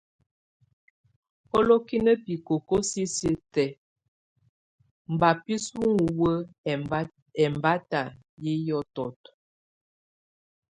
Olokinə bikoko sisiə tɛ ba bɛsɔnŋɔ wə ɛmbata yɛ hiɔtɔtɔ.